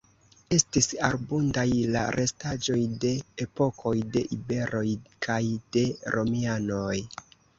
Estis abundaj la restaĵoj de epokoj de iberoj kaj de romianoj.